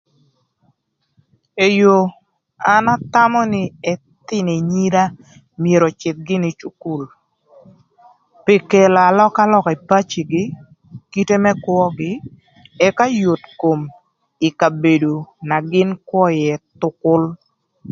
Eyo an athamö nï ëthïnö anyira myero öcïdh gïnï ï cukul pï kelo alökalöka ï pacigï ï kite më kwög̈ï ëka yot kom ï kabedo na gïn kwö ïë thükül.